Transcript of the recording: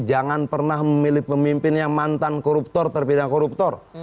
jangan pernah memilih pemimpin yang mantan koruptor terpidana koruptor